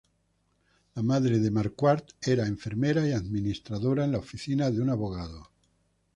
La madre de Marquardt era enfermera y administradora en la oficina de un abogado.